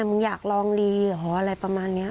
มึงอยากลองดีเหรออะไรประมาณนี้